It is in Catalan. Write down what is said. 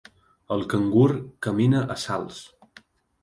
El cangur camina a salts.